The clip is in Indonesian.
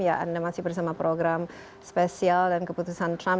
ya anda masih bersama program spesial dan keputusan trump